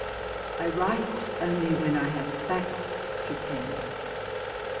I WRITE only when I have facts to send.